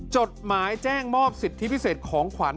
จดหมายแจ้งมอบสิทธิพิเศษของขวัญ